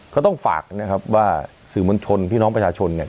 เขาต้องฝากว่าสื่อมนตร์ชนพี่น้องประชาชนเนี่ย